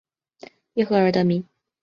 叶赫而得名。